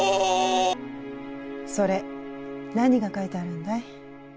それ何が書いてあるんだい？